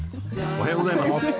おはようございます。